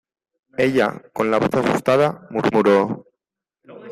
ella, con la voz asustada , murmuró: